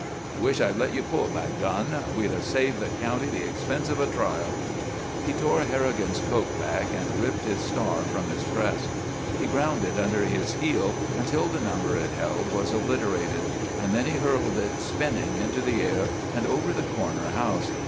I wish I had let you pull that gun! We'd have saved the county the expense of a trial!" He tore Harrigan's coat back and ripped his star from his breast. He ground it under his heel until the number it held was obliterated, and then he hurled it spinning into the air and over the corner house.